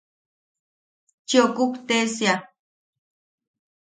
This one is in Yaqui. ¡Chiʼokuktesia!